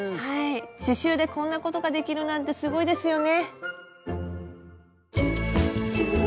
刺しゅうでこんなことができるなんてすごいですよね。